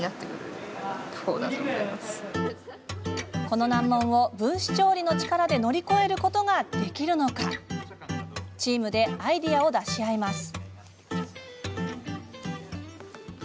この難問を分子調理の力で乗り越えることができるのかチームでアイデアを出し合います。